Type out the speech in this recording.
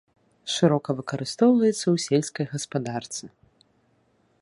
Шырока выкарыстоўваюцца ў сельскай гаспадарцы.